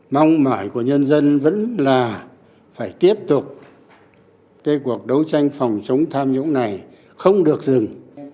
mong mỏi của nhân dân vẫn là phải tiếp tục cái cuộc đấu tranh phòng chống tham nhũng này không được dừng